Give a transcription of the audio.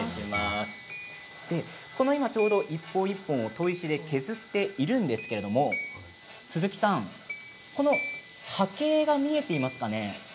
今ちょうど一本一本を砥石で削っているんですけれども鈴木さん、波形が見えていますかね。